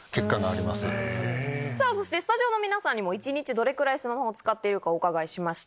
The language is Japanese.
そしてスタジオの皆さんにも一日どれぐらいスマホを使っているかをお伺いしました。